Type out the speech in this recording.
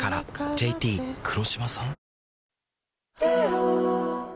ＪＴ黒島さん？